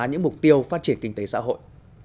những mục tiêu phát triển kinh tế xã hội